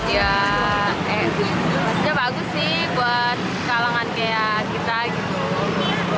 ya maksudnya bagus sih buat kalangan kayak kita gitu